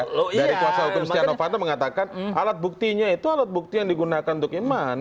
kalau dari kuasa hukum setia novanto mengatakan alat buktinya itu alat bukti yang digunakan untuk iman